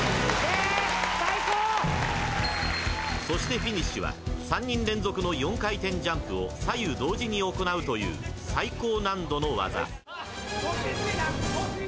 ［そしてフィニッシュは３人連続の４回転ジャンプを左右同時に行うという最高難度の技］